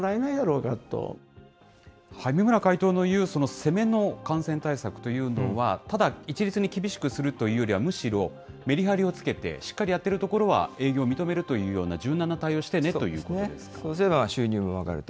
攻めの感染対策というのは、ただ一律に厳しくするというよりは、むしろメリハリをつけて、しっかりやってる所は営業を認めるというような柔軟な対応をしてそうすれば収入も上がると。